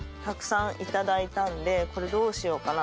これどうしようかなと思って。